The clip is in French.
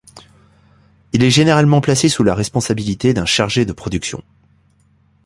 Il est généralement placé sous la responsabilité d'un chargé de production.